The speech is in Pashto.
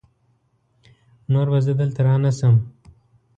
نور به زه دلته رانشم!